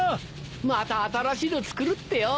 また新しいのつくるってよ。